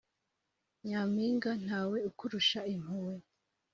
Nyampinga ntawe ukurusha impuhwe